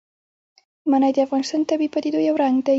منی د افغانستان د طبیعي پدیدو یو رنګ دی.